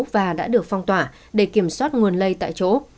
và đã được phong tỏa để kiểm soát nguồn lây tại chỗ